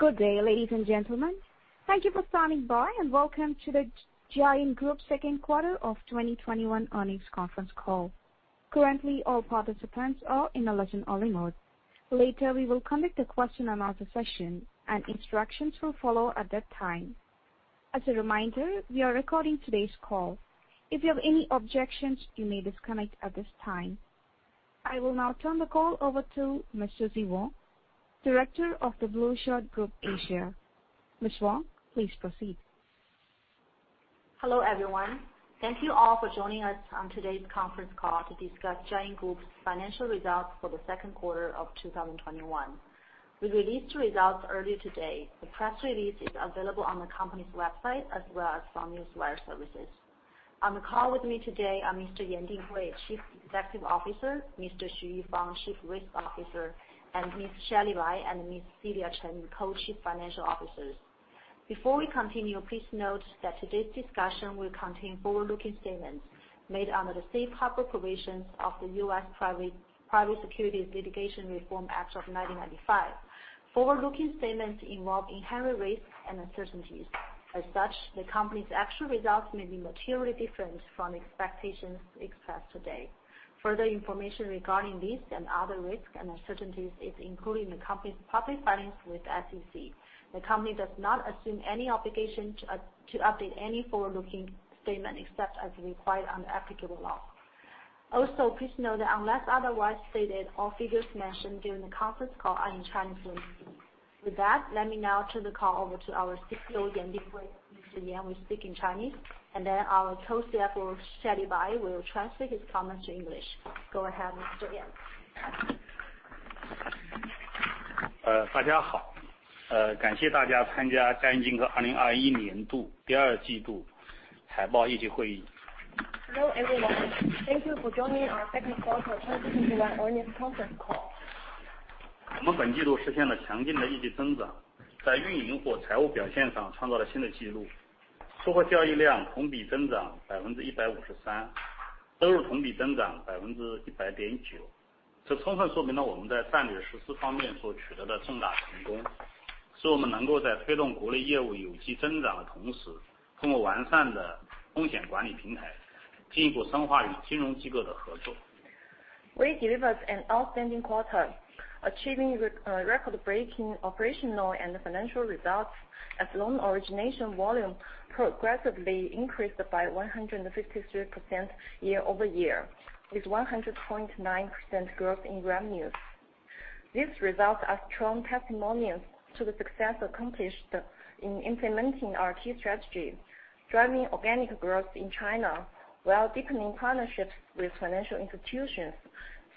Good day, ladies and gentlemen. Thank you for standing by, and welcome to the Jiayin Group second quarter of 2021 earnings conference call. Currently, all participants are in a listen-only mode. Later, we will conduct a question-and-answer session, and instructions will follow at that time. As a reminder, we are recording today's call. If you have any objections, you may disconnect at this time. I will now turn the call over to Ms. Susie Wang, Director of The Blueshirt Group, Asia. Ms. Wang, please proceed. Hello, everyone. Thank you all for joining us on today's conference call to discuss Jiayin Group's financial results for the second quarter of 2021. We released the results earlier today. The press release is available on the company's website, as well as from Newswire Services. On the call with me today are Mr. Yan Dinggui, Chief Executive Officer, Mr. Xu Yifang, Chief Risk Officer, and Ms. Shelley Bai, and Ms. Celia Chen, Co-Chief Financial Officers. Before we continue, please note that today's discussion will contain forward-looking statements made under the safe harbor provisions of the U.S. Private Securities Litigation Reform Act of 1995. Forward-looking statements involve inherent risks and uncertainties. As such, the company's actual results may be materially different from the expectations expressed today. Further information regarding this and other risks and uncertainties is included in the company's public filings with the SEC. The company does not assume any obligation to update any forward-looking statement, except as required under applicable law. Also, please note that unless otherwise stated, all figures mentioned during the conference call are in Chinese currency. With that, let me now turn the call over to our CEO, Yan Dinggui. Mr. Yan will speak in Chinese, and then our Co-CFO, Shelley Bai, will translate his comments to English. Go ahead, Mr. Yan. Hello, everyone. Thank you for joining our second quarter of 2021 earnings conference call. We delivered an outstanding quarter, achieving record-breaking operational and financial results as loan origination volume progressively increased by 153% year-over-year. With 100.9% growth in revenues. These results are strong testimonials to the success accomplished in implementing our key strategy, driving organic growth in China, while deepening partnerships with financial institutions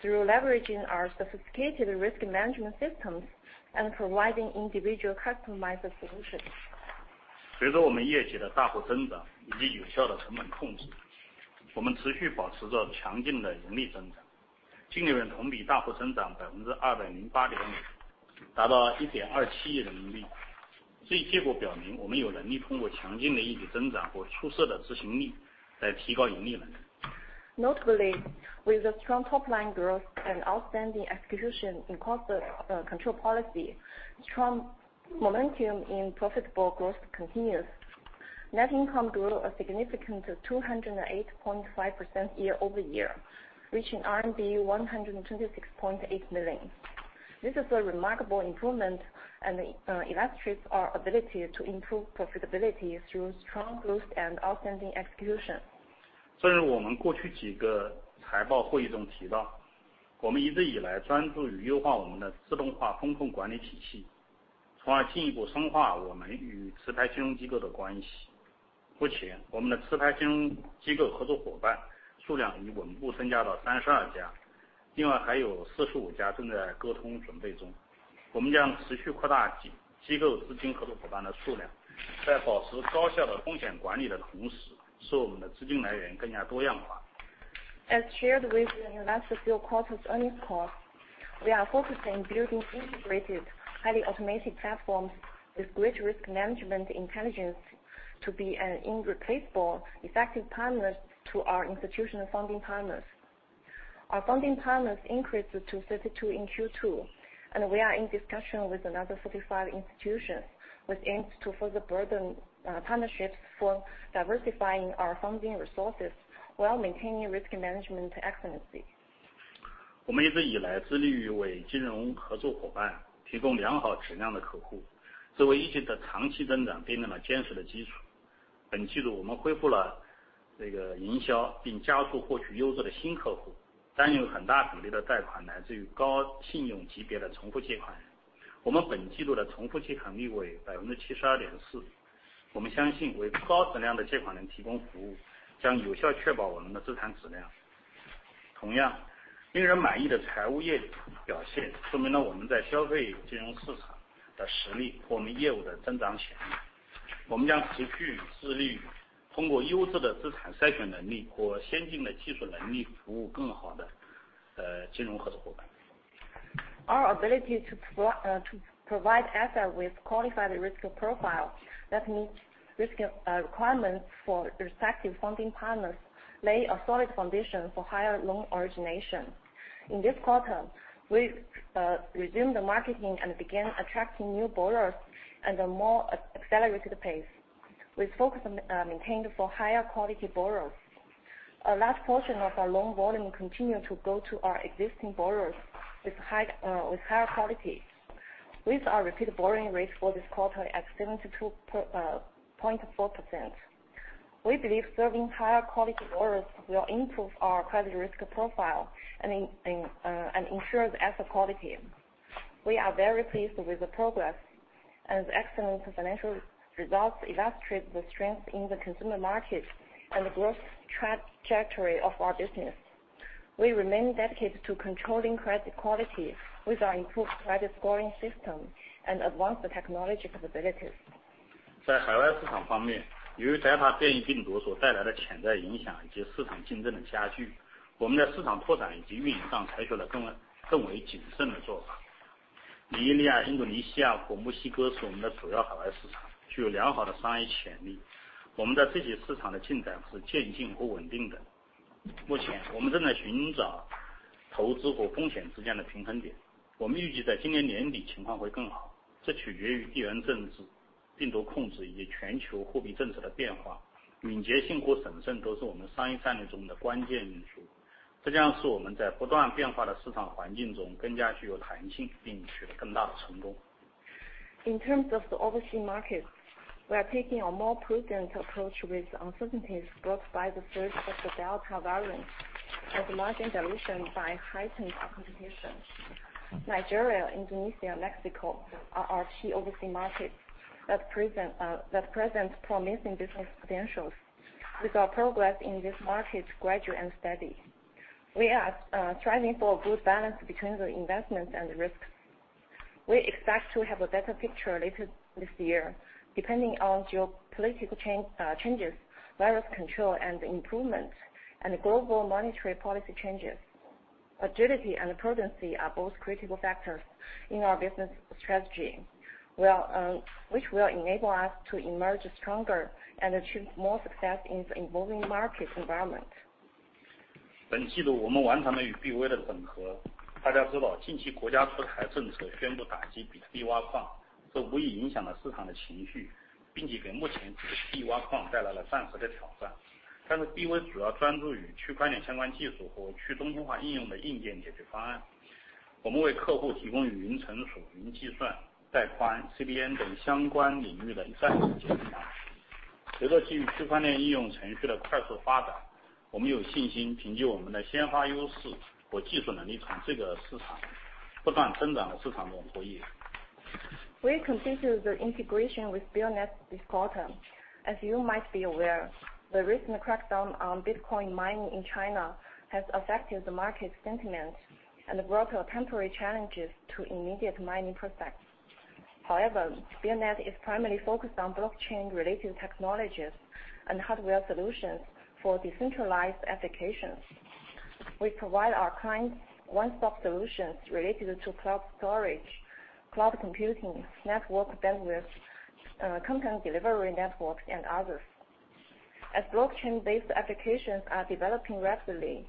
through leveraging our sophisticated risk management systems and providing individual customized solutions. Notably, with the strong top-line growth and outstanding execution in cost control policy, strong momentum in profitable growth continues. Net income grew a significant 208.5% year-over-year, reaching RMB 126.8 million. This is a remarkable improvement and illustrates our ability to improve profitability through strong growth and outstanding execution. As shared with you in last few quarter's earnings call, we are focusing on building integrated, highly automated platforms with great risk management intelligence to be an irreplaceable effective partner to our institutional funding partners. Our funding partners increased to 32 in Q2, and we are in discussion with another 45 institutions with aims to further broaden partnerships for diversifying our funding resources while maintaining risk management excellence. Our ability to provide assets with qualified risk profile that meet risk requirements for respective funding partners. Lay a solid foundation for higher loan origination. In this quarter, we resumed the marketing and began attracting new borrowers at a more accelerated pace. We focused on maintaining for higher quality borrowers. A large portion of our loan volume continued to go to our existing borrowers with higher quality, with our repeat borrowing rates for this quarter at 72.4%. We believe serving higher quality borrowers will improve our credit risk profile and ensure the asset quality. We are very pleased with the progress. The excellent financial results illustrate the strength in the consumer market and the growth trajectory of our business. We remain dedicated to controlling credit quality with our improved credit scoring system and advanced technology capabilities. In terms of the overseas markets, we are taking a more prudent approach with uncertainties brought by the surge of the Delta variant and margin dilution by heightened competition. Nigeria, Indonesia, and Mexico are our key overseas markets that present promising business potentials. We saw progress in these markets gradually and steady. We are striving for a good balance between the investments and the risks. We expect to have a better picture later this year, depending on geopolitical changes, virus control and improvement, and global monetary policy changes. Agility and prudence are both critical factors in our business strategy, which will enable us to emerge stronger and achieve more success in the evolving market environment. We completed the integration with VNET this quarter. As you might be aware, the recent crackdown on Bitcoin mining in China has affected the market sentiment and brought temporary challenges to immediate mining prospects. However, VNET is primarily focused on blockchain-related technologies and hardware solutions for decentralized applications. We provide our clients one-stop solutions related to cloud storage, cloud computing, network bandwidth, content delivery networks, and others. As blockchain-based applications are developing rapidly,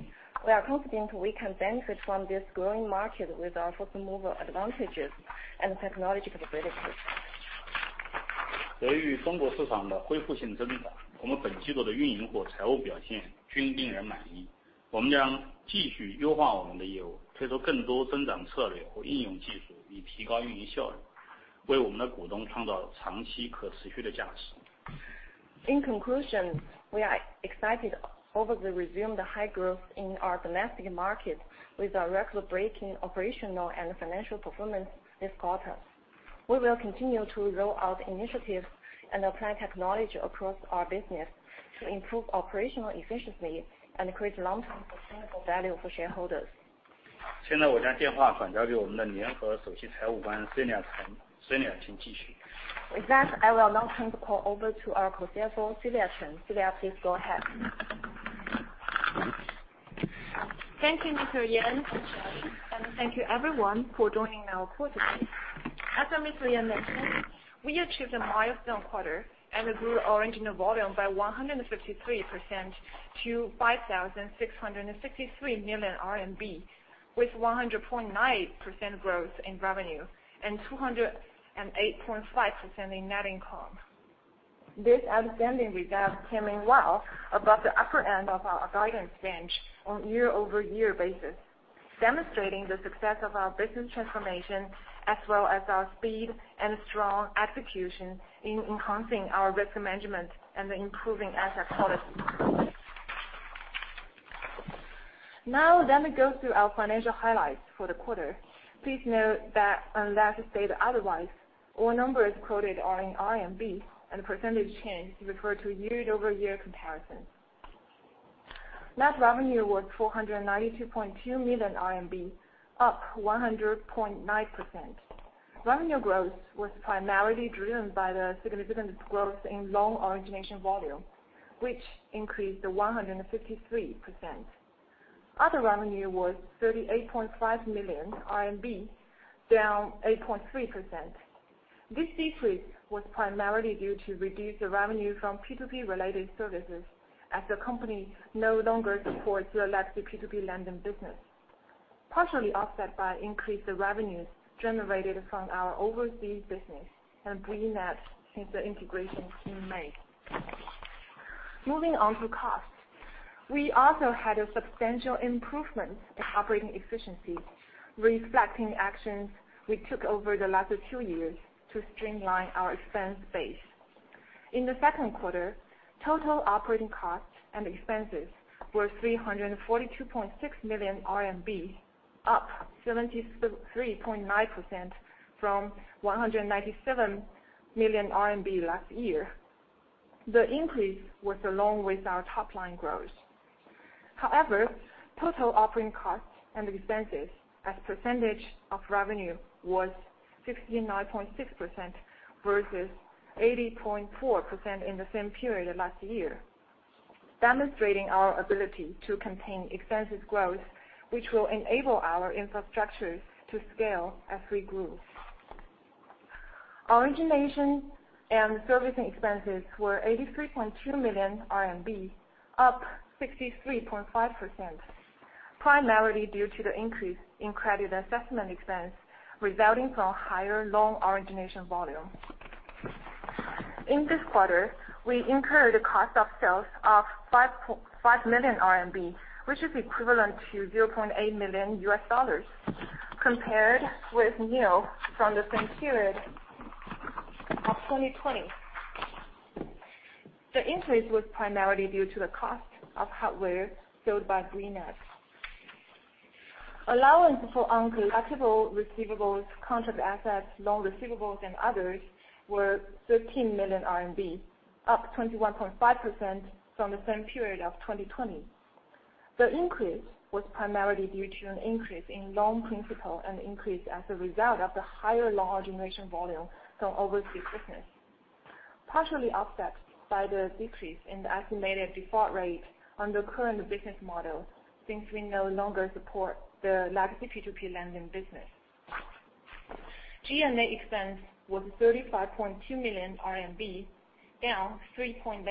we are confident we can benefit from this growing market with our first-mover advantages and technology capabilities. In conclusion, we are excited over the resumed high growth in our domestic market with our record-breaking operational and financial performance this quarter. We will continue to roll out initiatives and apply technology across our business to improve operational efficiency and create long-term sustainable value for shareholders. With that, I will now turn the call over to our Co-CFO, Celia Chen. Celia, please go ahead. Thank you, Mr. Yan. Thank you, everyone, for joining our call today. As Mr. Yan mentioned, we achieved a milestone quarter and grew original volume by 153% to RMB 5,663 million, with 100.9% growth in revenue and 208.5% in net income. These outstanding results came in well above the upper end of our guidance range on a year-over-year basis, demonstrating the success of our business transformation, as well as our speed and strong execution in enhancing our risk management and improving asset quality. Now, let me go through our financial highlights for the quarter. Please note that unless stated otherwise, all numbers quoted are in RMB and the percentage change refer to year-over-year comparison. Net revenue was 492.2 million RMB, up 100.9%. Revenue growth was primarily driven by the significant growth in loan origination volume, which increased 153%. Other revenue was 38.5 million RMB, down 8.3%. This decrease was primarily due to reduced revenue from P2P-related services, as the company no longer supports the legacy P2P lending business, partially offset by increased revenues generated from our overseas business and VNET since the integration in May. Moving on to costs. We also had a substantial improvement in operating efficiency, reflecting actions we took over the last two years to streamline our expense base. In the second quarter, total operating costs and expenses were 342.6 million RMB, up 73.9% from 197 million RMB last year. The increase was along with our top-line growth. However, total operating costs and expenses as a percentage of revenue was 59.6% versus 80.4% in the same period last year, demonstrating our ability to contain expenses growth, which will enable our infrastructure to scale as we grow. Origination and servicing expenses were 83.2 million RMB, up 63.5%, primarily due to the increase in credit assessment expense resulting from higher loan origination volume. In this quarter, we incurred a cost of sales of 5 million RMB, which is equivalent to $0.8 million, compared with nil from the same period of 2020. The increase was primarily due to the cost of hardware sold by VNET. Allowance for uncollectible receivables, contract assets, loan receivables, and others were 13 million RMB, up 21.5% from the same period of 2020. The increase was primarily due to an increase in loan principal and increased as a result of the higher loan origination volume from overseas business, partially offset by the decrease in the estimated default rate under current business model, since we no longer support the legacy P2P lending business. G&A expense was 35.2 million RMB, down 3.8%,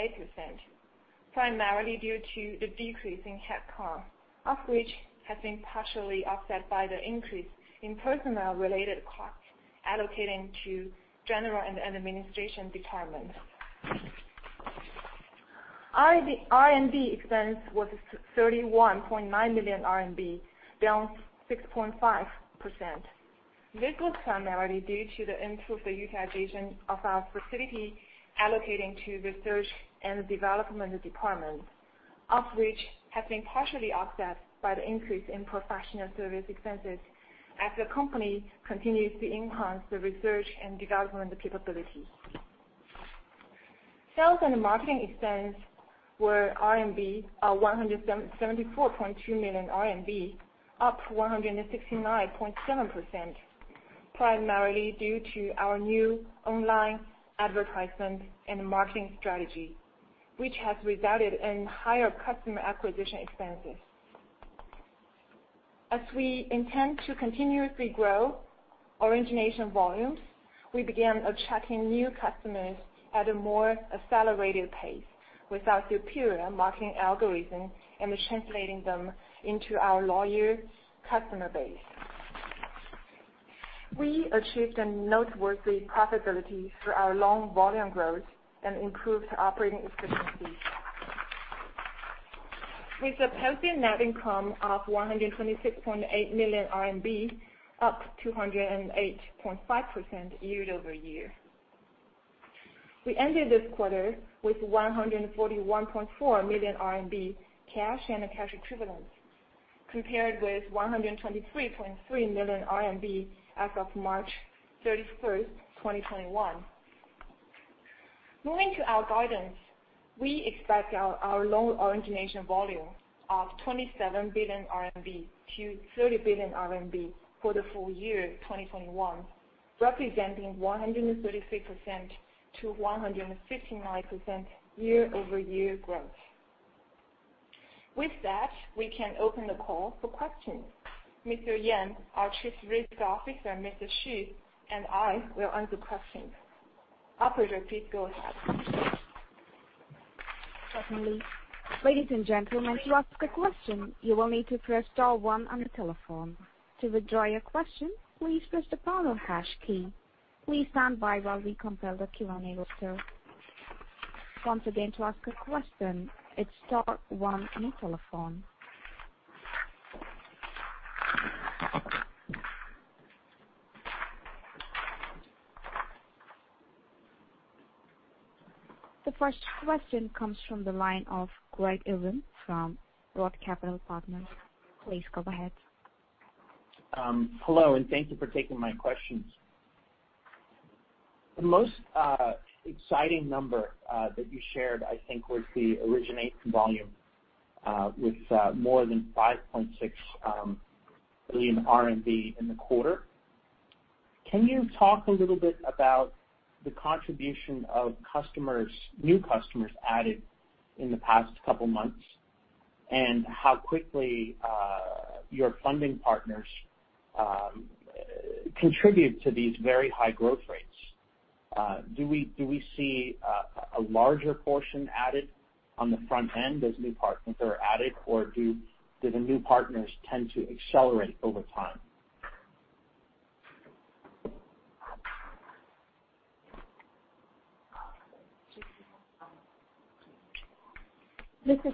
primarily due to the decrease in headcount, of which has been partially offset by the increase in personnel-related costs allocating to general and administration departments. R&D expense was 31.9 million RMB, down 6.5%. This was primarily due to the improved utilization of our facility allocating to research and development departments, of which has been partially offset by the increase in professional service expenses as the company continues to enhance the research and development capabilities. Sales and marketing expense were 174.2 million RMB, up 169.7%, primarily due to our new online advertisement and marketing strategy, which has resulted in higher customer acquisition expenses. As we intend to continuously grow origination volumes, we began attracting new customers at a more accelerated pace with our superior marketing algorithm and translating them into our loyal customer base. We achieved a noteworthy profitability through our loan volume growth and improved operating efficiency. With a posted net income of 126.8 million RMB, up 208.5% year-over-year. We ended this quarter with 141.4 million RMB cash and cash equivalents, compared with 123.3 million RMB as of March 31st, 2021. Moving to our guidance, we expect our loan origination volume of 27 billion-30 billion RMB for the full year 2021, representing 133%-159% year-over-year growth. With that, we can open the call for questions. Mr. Yan, our Chief Risk Officer, Mr. Xu, and I will answer questions. Operator, please go ahead. Certainly. Ladies and gentlemen, to ask a question, you will need to press star one on the telephone. To withdraw your question, please press the pound or hash key. Please stand by while we compile the Q&A roster. Once again, to ask a question, it's star one on your telephone. The first question comes from the line of Craig Irwin from Roth Capital Partners. Please go ahead. Hello, thank you for taking my questions. The most exciting number that you shared, I think, was the origination volume with more than 5.6 billion RMB in the quarter. Can you talk a little bit about the contribution of new customers added in the past couple of months, and how quickly your funding partners contribute to these very high growth rates? Do we see a larger portion added on the front end as new partners are added, or do the new partners tend to accelerate over time? This is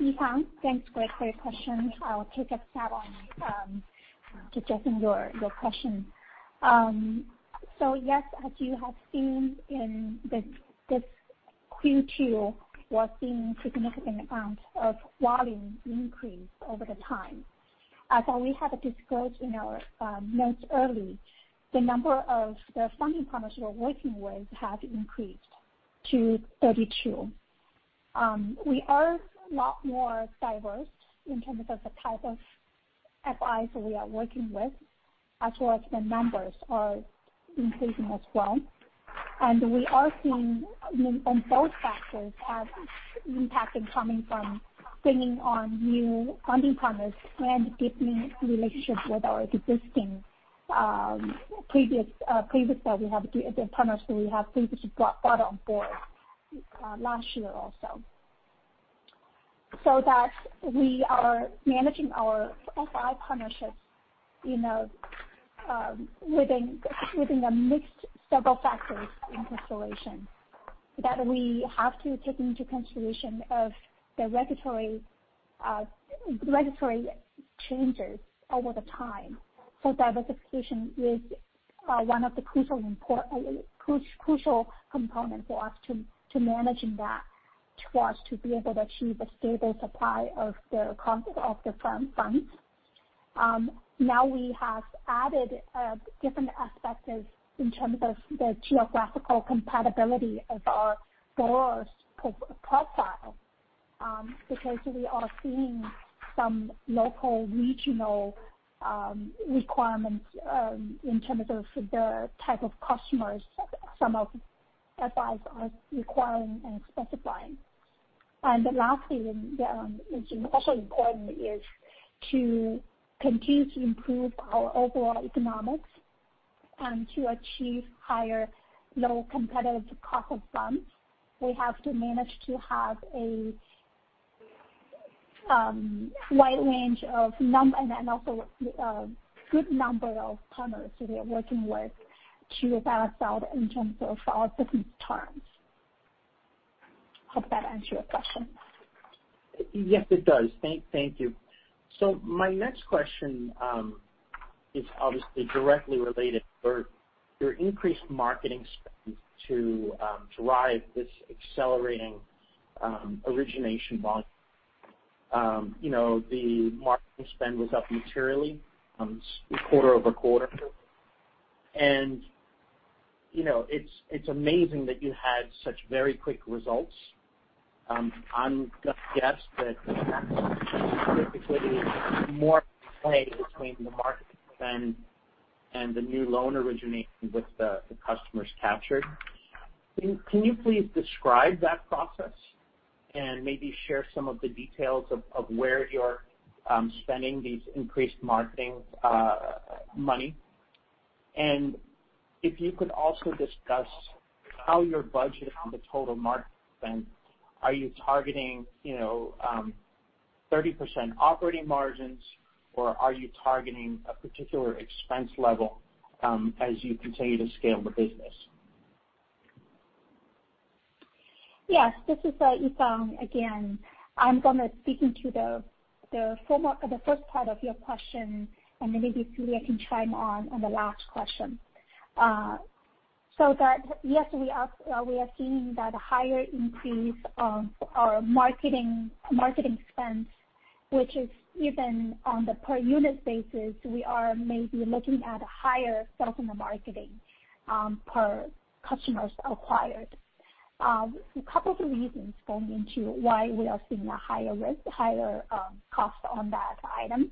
Yifang. Thanks, Craig, for your question. I'll take a stab at suggesting your question. Yes, as you have seen in this Q2, we're seeing significant amounts of volume increase over the time. As we have disclosed in our notes early, the number of the funding partners we are working with has increased to 32. We are a lot more diverse in terms of the type of FIs we are working with, as well as the numbers are increasing as well. We are seeing on both factors have impact coming from bringing on new funding partners and deepening relationships with our existing previous partners that we have brought on board last year also. That we are managing our FI partnerships within a mixed several factors in consideration that we have to take into consideration of the regulatory changes over the time. Diversification is one of the crucial components for us to managing that, for us to be able to achieve a stable supply of the funds. Now we have added different aspects in terms of the geographical compatibility of our borrowers' profile, because we are seeing some local regional requirements in terms of the type of customers some of FIs are requiring and specifying. Lastly, which also important, is to continue to improve our overall economics and to achieve higher low competitive cost of funds. We have to manage to have a wide range and also a good number of partners we are working with to balance out in terms of our business terms. Hope that answers your question. Yes, it does. Thank you. My next question is obviously directly related to your increased marketing spend to drive this accelerating origination volume. The marketing spend was up materially quarter-over-quarter, and it's amazing that you had such very quick results. I'm going to guess that there's likely more at play between the marketing spend and the new loan origination with the customers captured. Can you please describe that process and maybe share some of the details of where you're spending these increased marketing money? If you could also discuss how you're budgeting the total marketing spend. Are you targeting 30% operating margins, or are you targeting a particular expense level as you continue to scale the business? This is Yifang again. I'm going to speak into the first part of your question, then maybe Celia can chime on the last question. We are seeing that a higher increase of our marketing expense, which is even on the per unit basis, we are maybe looking at higher sales and marketing per customers acquired. Two reasons going into why we are seeing a higher risk, higher cost on that item.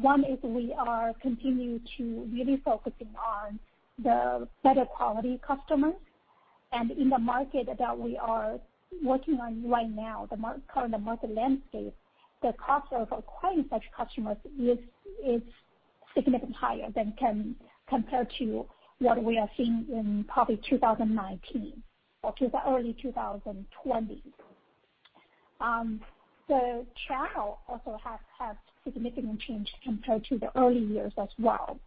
One is we are continuing to really focus on the better quality customers. In the market that we are working on right now, the current market landscape, the cost of acquiring such customers is significantly higher than compared to what we are seeing in probably 2019 or to the early 2020. The channel also has had significant change compared to the early years as well.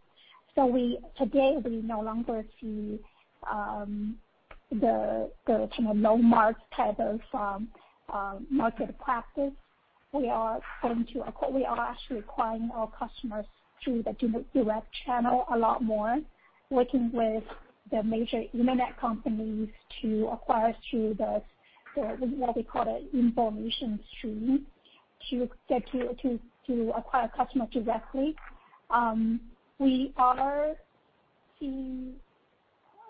Today, we no longer see the no-mark type of market practice. We are actually acquiring our customers through the direct channel a lot more, working with the major Internet companies to acquire through what we call the information stream to acquire customer directly. We are seeing,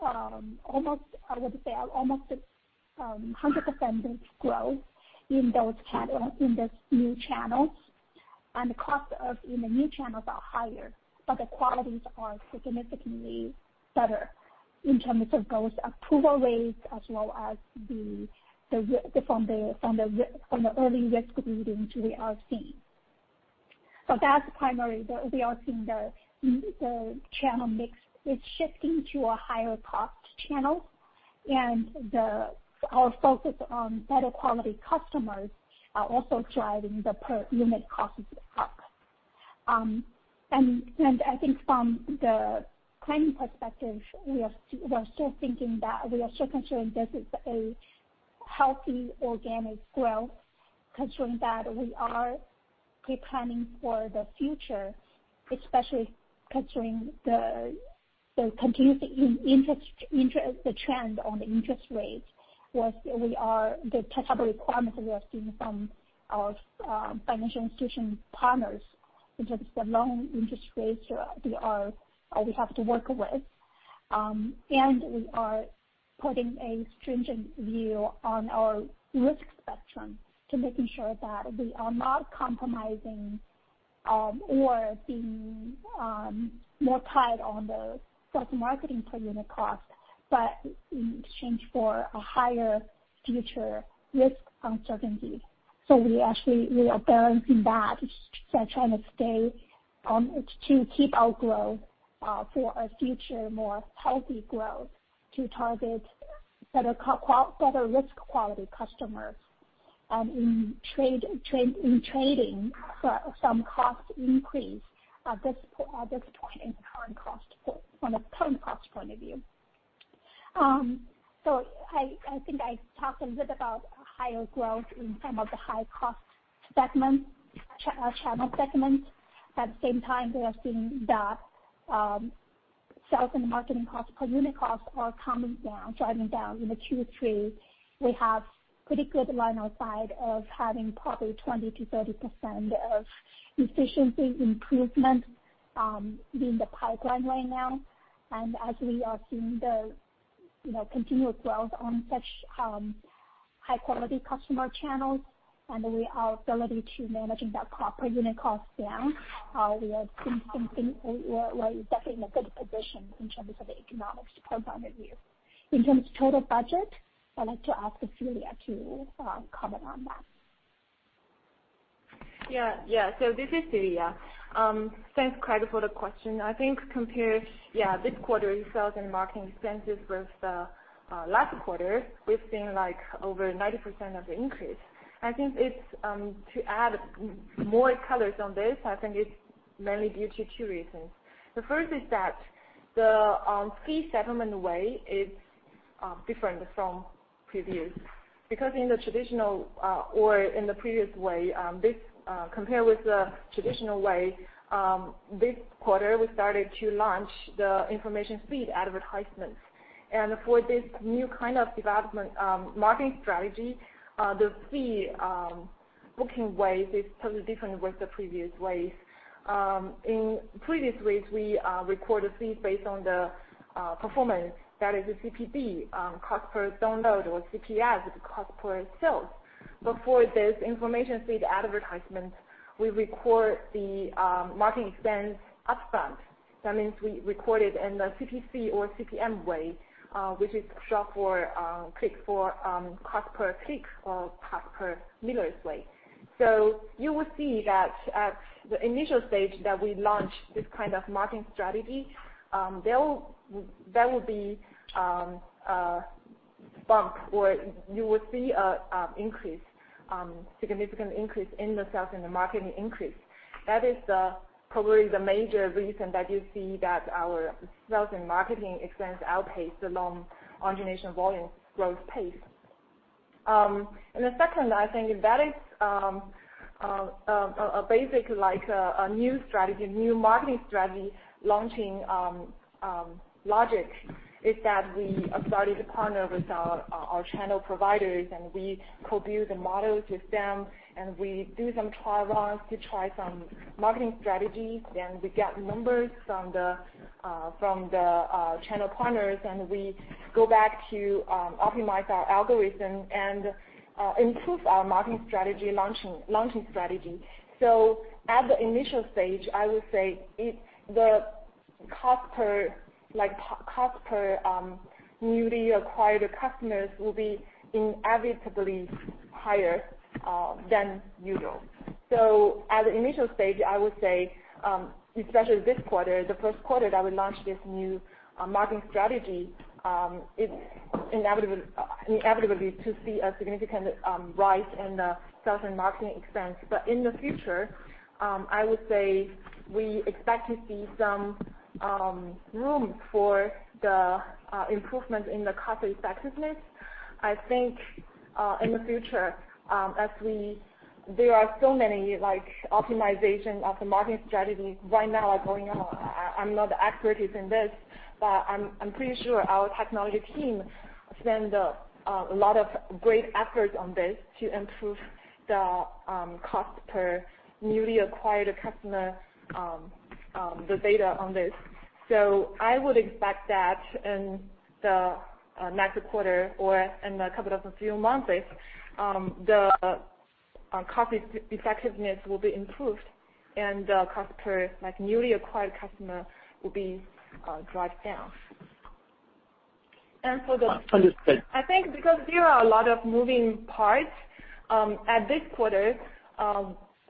I would say almost 100% growth in those new channels. The cost in the new channels are higher, but the qualities are significantly better in terms of both approval rates as well as from the early risk readings we are seeing. That's primary, we are seeing the channel mix is shifting to a higher cost channel and our focus on better quality customers are also driving the per unit costs up. I think from the planning perspective, we are still concerned this is a healthy organic growth, considering that we are planning for the future, especially considering the continuous interest, the trend on the interest rates, or the type of requirements we are seeing from our financial institution partners in terms of the loan interest rates we have to work with. We are putting a stringent view on our risk spectrum to making sure that we are not compromising or being more tied on the sales marketing per unit cost, but in exchange for a higher future risk uncertainty. We actually are balancing that, trying to keep our growth for a future more healthy growth to target better risk quality customers in trading some cost increase at this point in current cost point of view. I think I talked a little about higher growth in some of the high-cost channel segments. At the same time, we are seeing that sales and marketing cost per unit costs are coming down, driving down in the Q3. We have pretty good line of sight of having probably 20%-30% of efficiency improvement in the pipeline right now. As we are seeing the continuous growth on such high-quality customer channels and our ability to managing that cost per unit cost down, we are definitely in a good position in terms of the economics point of view. In terms of total budget, I'd like to ask Celia to comment on that. Yeah. This is Celia. Thanks, Craig, for the question. I think compare this quarter's sales and marketing expenses with the last quarter, we've seen over 90% of the increase. I think to add more colors on this, I think it's mainly due to two reasons. The first is that the fee settlement way is different from previous. Compared with the traditional way, this quarter we started to launch the information feed advertisements. For this new kind of development marketing strategy, the fee booking way is totally different with the previous ways. In previous ways, we record a fee based on the performance, that is the CPD, cost per download, or CPS, the cost per sale. For this information feed advertisement, we record the marketing expense upfront. That means we record it in the CPC or CPM way, which is short for cost per click or cost per mille way. You will see that at the initial stage that we launch this kind of marketing strategy, there will be a bump, or you would see a significant increase in the sales and marketing increase. That is probably the major reason that you see that our sales and marketing expense outpaced the loan origination volume growth pace. The second, I think, that is a basic new strategy, new marketing strategy launching logic is that we started to partner with our channel providers, and we co-build the models with them, and we do some trial runs to try some marketing strategies. We get numbers from the channel partners, and we go back to optimize our algorithm and improve our marketing strategy launching strategy. At the initial stage, I would say the cost per newly acquired customers will be inevitably higher than usual. At the initial stage, I would say, especially this quarter, the first quarter that we launched this new marketing strategy, inevitably to see a significant rise in the sales and marketing expense. In the future, I would say we expect to see some room for the improvement in the cost effectiveness. I think in the future, there are so many optimizations of the marketing strategies right now are going on. I'm not expert in this, but I'm pretty sure our technology team spend a lot of great efforts on this to improve the cost per newly acquired customer. The data on this. I would expect that in the next quarter or in a couple of few months, the cost effectiveness will be improved and the cost per newly acquired customer will be drive down. Understood. I think because there are a lot of moving parts at this quarter,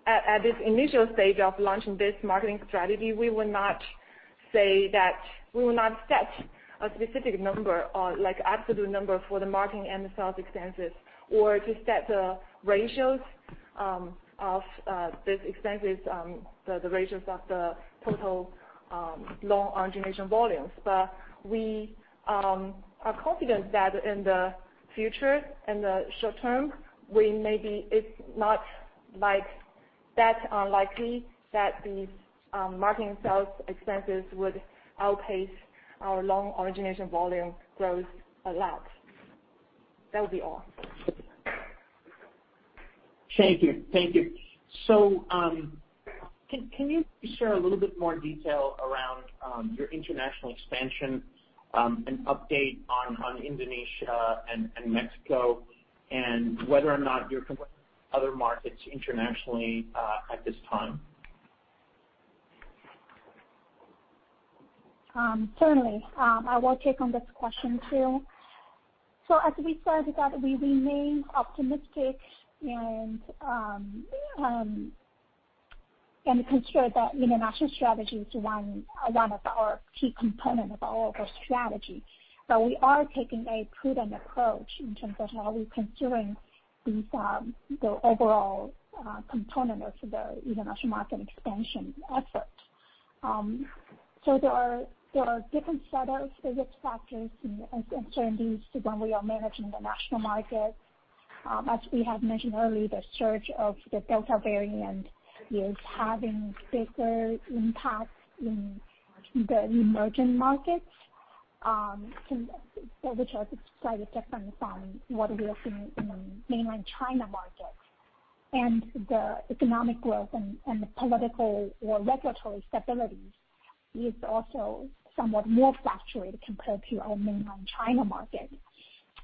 at this initial stage of launching this marketing strategy, we will not set a specific number or absolute number for the marketing and the sales expenses, or to set the ratios of these expenses, the ratios of the total loan origination volumes. We are confident that in the future, in the short term, it's not that unlikely that these marketing sales expenses would outpace our loan origination volume growth a lot. That would be all. Thank you. Can you share a little bit more detail around your international expansion, an update on Indonesia and Mexico, and whether or not you're exploring other markets internationally at this time? Certainly. I will take on this question, too. As we said, that we remain optimistic and consider the international strategy as one of our key component of all of our strategy. We are taking a prudent approach in terms of how we're considering the overall component of the international market expansion effort. There are different set of risk factors and uncertainties to when we are managing the international market. As we have mentioned earlier, the surge of the Delta variant is having bigger impact in the emerging markets, which are slightly different from what we are seeing in the Mainland China market. The economic growth and the political or regulatory stability is also somewhat more fluctuating compared to our Mainland China market.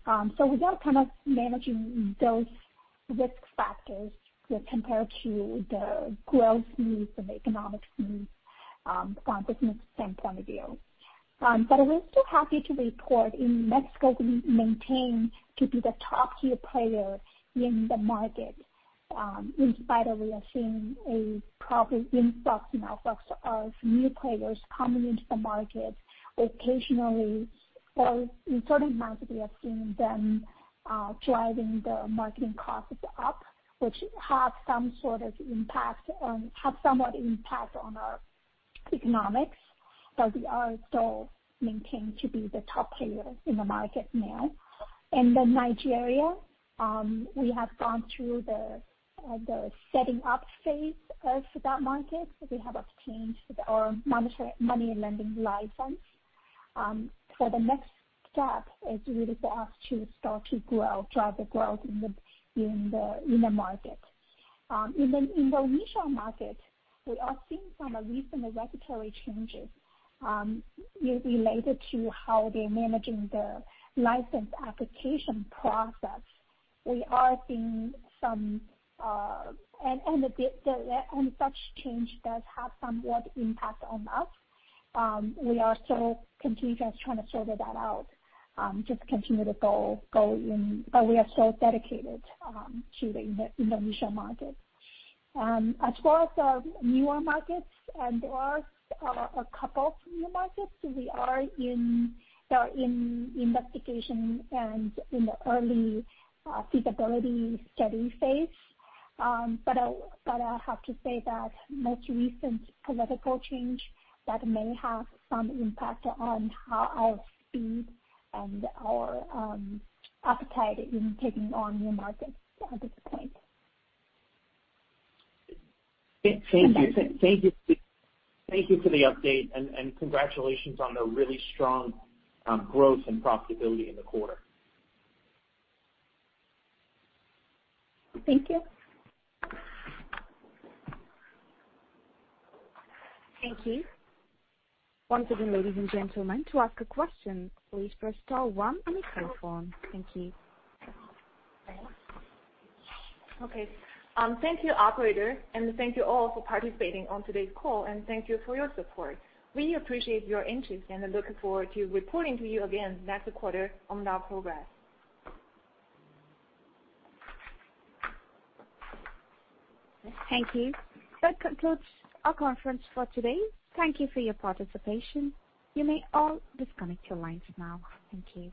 We are kind of managing those risk factors compared to the growth needs and the economic needs from business standpoint of view. We're still happy to report in Mexico, we maintain to be the top-tier player in the market, in spite of we are seeing a proper influx and outflux of new players coming into the market occasionally, or in certain months, we are seeing them driving the marketing costs up, which have somewhat impact on our economics. We are still maintained to be the top player in the market now. Nigeria, we have gone through the setting up phase of that market. We have obtained our money lending license. The next step is really for us to start to drive the growth in the market. Indonesia market, we are seeing some recent regulatory changes related to how they're managing the license application process. Such change does have somewhat impact on us. We are still continuously trying to sort that out. We are still dedicated to the Indonesia market. As far as our newer markets, and there are a couple new markets, we are in the investigation and in the early feasibility study phase. I have to say that most recent political change that may have some impact on our speed and our appetite in taking on new markets at this point. Thank you for the update and congratulations on the really strong growth and profitability in the quarter. Thank you. Thank you. Once again, ladies and gentlemen, to ask a question, please press star one on your telephone. Thank you. Okay. Thank you, operator, and thank you all for participating on today's call, and thank you for your support. We appreciate your interest and look forward to reporting to you again next quarter on our progress. Thank you. That concludes our conference for today. Thank you for your participation. You may all disconnect your lines now. Thank you.